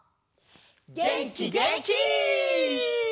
げんきげんき！